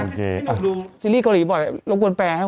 ภักดิ์ที่เอ้ารักตกไม่เหมาะ